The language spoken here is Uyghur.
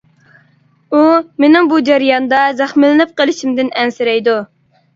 ئۇ مېنىڭ بۇ جەرياندا زەخىملىنىپ قېلىشىمدىن ئەنسىرەيدۇ.